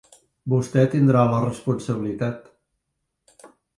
Vostè tindrà la responsabilitat.